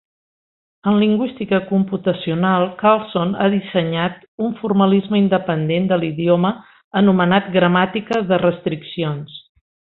En lingüística computacional, Karlsson ha dissenyat un formalisme independent de l'idioma anomenat Gramàtica de restriccions.